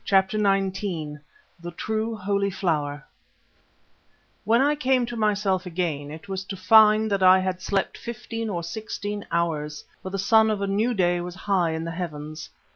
CHAPTER XIX THE TRUE HOLY FLOWER When I came to myself again it was to find that I had slept fifteen or sixteen hours, for the sun of a new day was high in the heavens.